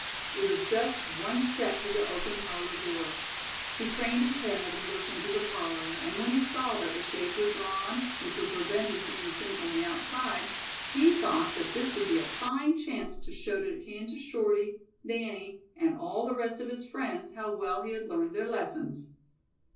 It was just one step to the open parlor door. He craned his head, and looked into the parlor, and when he saw that the shades were drawn, which would prevent his being seen from the outside, he thought that this would be a fine chance to show to Kansas Shorty, Danny and all the rest of his "friends" how well he had learned their lessons.